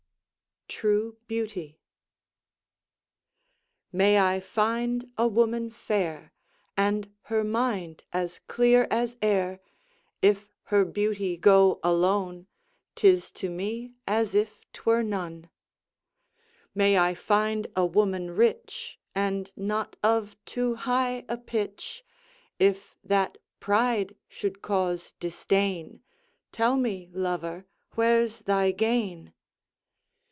TRUE BEAUTY May I find a woman fair, And her mind as clear as air: If her beauty go alone, 'Tis to me as if 'twere none. May I find a woman rich, And not of too high a pitch: If that pride should cause disdain, Tell me, lover, where's thy gain?